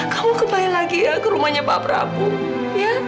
kamu kembali lagi ya ke rumahnya pak prabu ya